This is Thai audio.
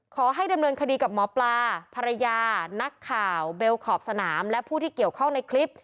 ขอให้ดำเนินคดีกับหมอปลาภรรยานักข่าวเบลขอบสนามและผู้ที่เกี่ยวข้องในคลิป